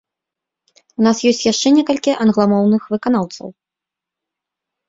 У нас ёсць яшчэ некалькі англамоўных выканаўцаў.